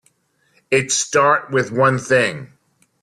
It start with one thing.